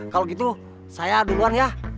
kalau gitu saya duluan ya